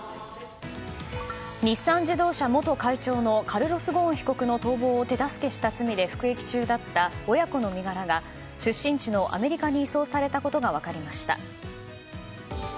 日産自動車元会長のカルロス・ゴーン被告の逃亡を手助けした罪で服役中だった親子の身柄が出身地のアメリカに移送されたことが分かりました。